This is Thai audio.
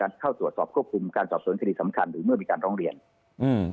เข้าตรวจสอบควบคุมการสอบสวนคดีสำคัญหรือเมื่อมีการร้องเรียนอืม